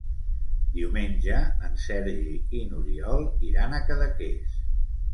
Diumenge en Sergi i n'Oriol iran a Cadaqués.